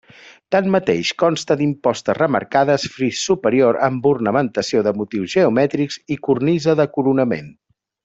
Tanmateix, consta d'impostes remarcades, fris superior amb ornamentació de motius geomètrics i cornisa de coronament.